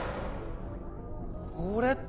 これって？